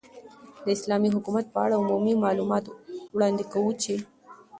، داسلامې حكومت په اړه عمومي معلومات وړاندي كوو چې